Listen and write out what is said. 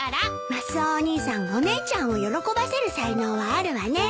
マスオお兄さんお姉ちゃんを喜ばせる才能はあるわね。